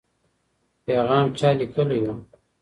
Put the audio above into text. پیغام چا لیکلی و؟